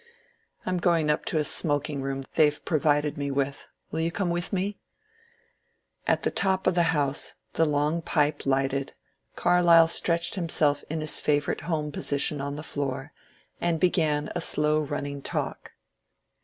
"I am going up to a smoking room they've pro vided me with — will you come with me ?" At the top of the house, the long pipe lighted, Carlyle stretched himself in his favourite home position on the floor, and began a slow running talk.